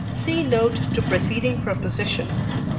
(See note to preceding proposition.)